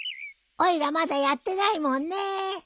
おいらまだやってないもんね。